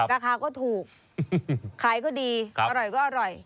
ราคาก็ถูกขายก็ดีอร่อยก็อร่อย